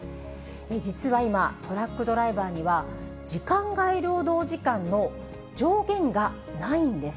実は今、トラックドライバーには、時間外労働時間の上限がないんです。